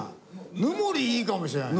ヌモリいいかもしれないな。